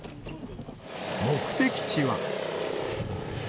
目的地は。